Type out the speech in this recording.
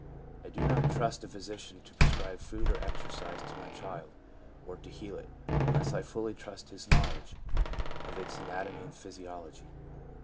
I do not trust a physician to prescribe food or exercise to my child or to heal it, unless I fully trust his knowledge of its anatomy and physiology.